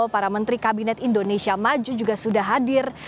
para menteri kabinet indonesia maju juga sudah hadir